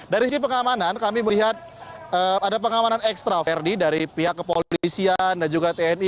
dari sisi pengamanan kami melihat ada pengamanan ekstra verdi dari pihak kepolisian dan juga tni